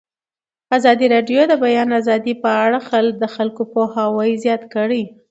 ازادي راډیو د د بیان آزادي په اړه د خلکو پوهاوی زیات کړی.